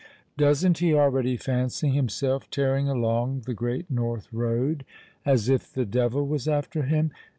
Doesn't he already fancy himself tearing along the great north road, as if the devil was after him!